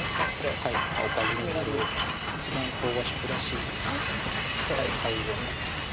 おかずになる一番和食らしい配合になってます